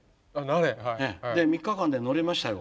で３日間で乗れましたよ。